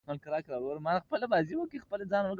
غوښتل مې چې فيوز يې ولګوم.